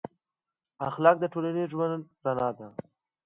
اخلاق د ټولنیز ژوند رڼا ده.